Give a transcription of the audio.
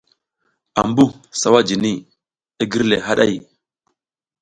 Ambuh sawa jini, i gir le haɗi.